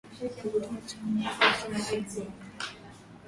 Kikokotoo changu kilichukuliwa na mwalimu.